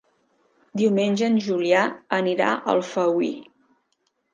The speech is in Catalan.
Diumenge en Julià anirà a Alfauir.